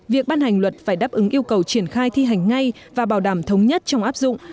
việc ban hành luật phải đáp ứng yêu cầu triển khai thi hành ngay và bảo đảm thống nhất trong áp dụng